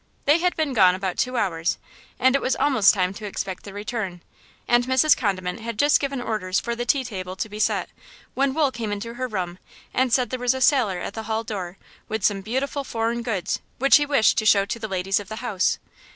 They had been gone about two hours, and it was almost time to expect their return, and Mrs. Condiment had just given orders for the tea table to be set, when Wool came into her room and said there was a sailor at the hall door with some beautiful foreign goods which he wished to show to the ladies of the house.